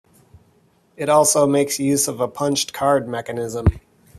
It also makes use of a punched card mechanism.